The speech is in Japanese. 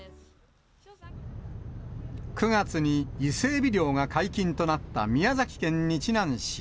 ９月に伊勢エビ漁が解禁となった宮崎県日南市。